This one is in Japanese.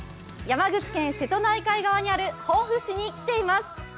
山口県瀬戸内海側にある防府市に来ています。